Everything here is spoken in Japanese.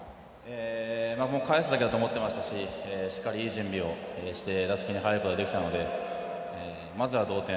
もうかえすだけだと思ってましたししっかり、いい準備をして打席に入ることができたのでまずは同点